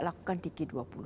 lakukan di g dua puluh